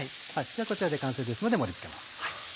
こちらで完成ですので盛り付けます。